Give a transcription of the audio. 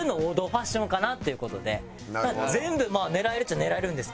全体的に全部狙えるっちゃ狙えるんですけど。